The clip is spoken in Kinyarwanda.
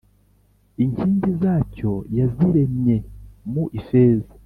Inkingi zacyo yaziremye mu ifeza